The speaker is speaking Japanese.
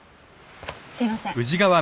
すいません。